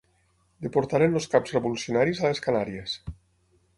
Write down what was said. Deportaren els caps revolucionaris a les Canàries.